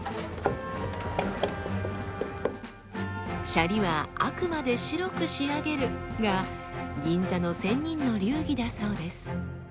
シャリはあくまで白く仕上げるが銀座の仙人の流儀だそうです。